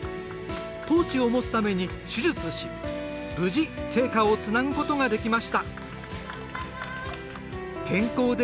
トーチを持つために手術し、無事聖火をつなぐことができました。